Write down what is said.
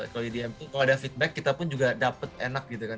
kalau edm itu kalau ada feedback kita pun juga dapat enak gitu kan